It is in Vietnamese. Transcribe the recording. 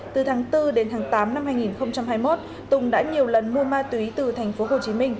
từ tháng bốn đến tháng tám năm hai nghìn hai mươi một tùng đã nhiều lần mua ma túy từ tp hcm